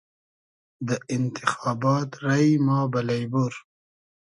دۂ اینتیخابات رݷ ما بئلݷ بور